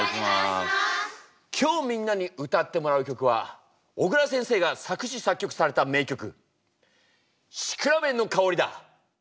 今日みんなに歌ってもらう曲は小椋先生が作詞作曲された名曲「シクラメンのかほり」だ。